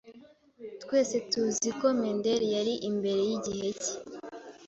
Twese tuzi ko Mendel yari imbere yigihe cye.